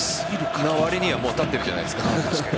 その割にはもう立ってるじゃないですか。